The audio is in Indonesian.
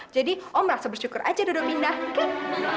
jadi om rasa bersyukur aja dodo pindah kan